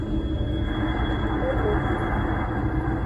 E le gbeji.